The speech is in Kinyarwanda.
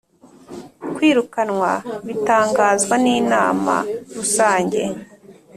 Kwirukanwa bitangazwa n’ Inama rusange